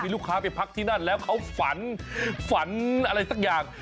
ลูกค้าไปพักที่นั่นแล้วเขาฝันฝันอะไรสักอย่าง